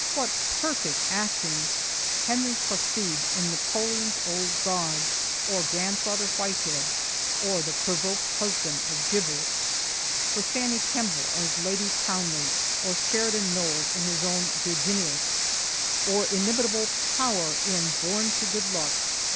What perfect acting! Henry Placide in "Napoleon's Old Guard" or "Grandfather Whitehead," or "the Provoked Husband" of Gibber, with Fanny Kemble as Lady Townley or Sheridan Knowles in his own "Virginius" or inimitable Power in "Born to Good Luck."